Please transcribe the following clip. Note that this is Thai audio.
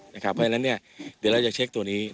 เพราะฉะนั้นเดี๋ยวเราจะเช็คตัวนี้